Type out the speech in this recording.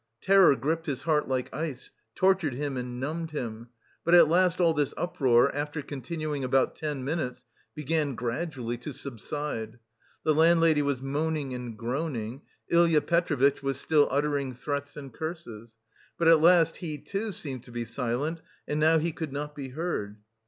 Terror gripped his heart like ice, tortured him and numbed him.... But at last all this uproar, after continuing about ten minutes, began gradually to subside. The landlady was moaning and groaning; Ilya Petrovitch was still uttering threats and curses.... But at last he, too, seemed to be silent, and now he could not be heard.